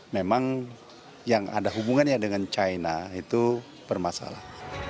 memang yang ada hubungannya dengan china itu bermasalah